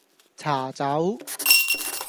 茶走